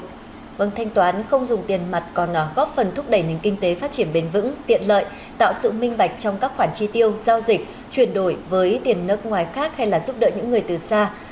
vâng thanh toán không dùng tiền mặt còn góp phần thúc đẩy nền kinh tế phát triển bền vững tiện lợi tạo sự minh bạch trong các khoản chi tiêu giao dịch chuyển đổi với tiền nước ngoài khác hay là giúp đỡ những người từ xa